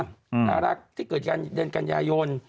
นาฬาที่เกิดเดือนกัญญาโยน